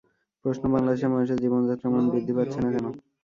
প্রশ্ন বাংলাদেশের মানুষের জীবনযাত্রার মান বৃদ্ধি পাচ্ছে না কেন?